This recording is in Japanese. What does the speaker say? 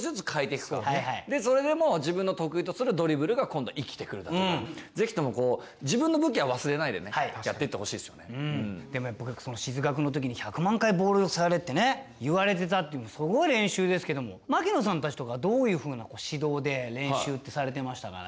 でそれでも自分の得意とするドリブルが今度生きてくるだとかぜひともでもその静学の時に「１００万回ボール触れ」ってね言われてたっていうのすごい練習ですけども槙野さんたちとかはどういうふうな指導で練習ってされてましたかね。